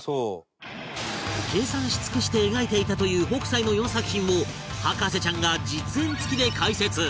計算し尽くして描いていたという北斎の４作品を博士ちゃんが実演つきで解説